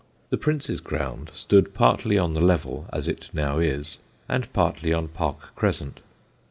The Prince's ground stood partly on the Level as it now is, and partly on Park Crescent.